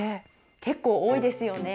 結構、多いですよね。